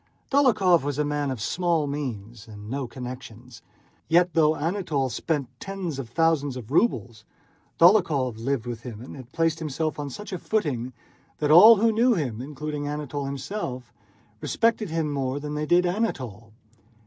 Dólokhov was a man of small means and no connections. Yet, though Anatole spent tens of thousands of rubles, Dólokhov lived with him and had placed himself on such a footing that all who knew them, including Anatole himself, respected him more than they did Anatole.